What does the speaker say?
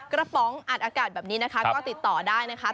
ป๋องอัดอากาศแบบนี้นะคะก็ติดต่อได้นะคะ